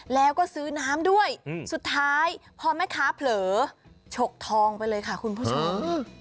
แล้วก็ซื้อน้ำด้วยสุดท้ายพอแม่ค้าเผลอฉกทองไปเลยค่ะคุณผู้ชม